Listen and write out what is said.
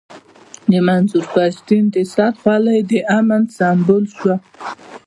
د منظور پښتين د سر خولۍ د امن سيمبول شوه.